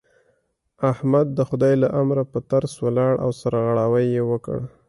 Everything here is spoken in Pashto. احمد د خدای له امره په ترڅ ولاړ او سرغړاوی يې وکړ.